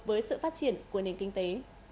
với sự phát triển của nền kinh tế